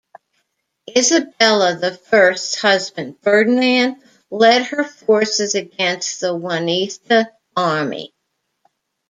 Isabella the First's husband Ferdinand led her forces against the Juanista army.